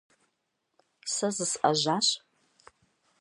Сэ зысӀэжьащ.